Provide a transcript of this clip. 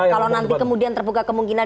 kalau nanti kemudian terbuka kemungkinan